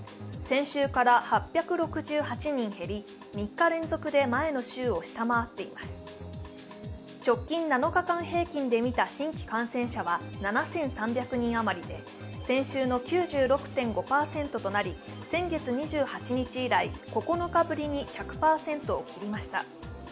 先週から８６８人減り３日連続で前の週を下回っています直近７日間平均で見た新規感染者は７３００人余りで先週の９６．５％となり先月２８日以来９日ぶりに１００％を切りました。